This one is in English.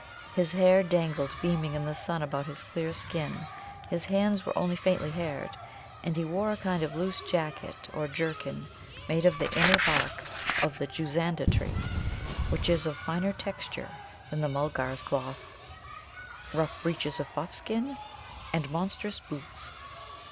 His hair dangled beaming in the sun about his clear skin. His hands were only faintly haired. And he wore a kind of loose jacket or jerkin, made of the inner bark of the Juzanda tree (which is of finer texture than the Mulgars' cloth), rough breeches of buffskin, and monstrous boots.